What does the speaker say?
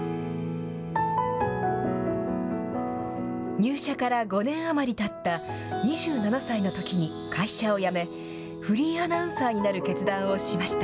入社から５年余りたった２７歳のときに会社を辞め、フリーアナウンサーになる決断をしました。